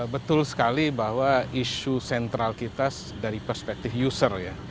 betul sekali bahwa isu sentral kita dari perspektif user ya